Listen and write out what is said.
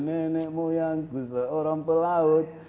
nenekmu yang kusa orang pelaut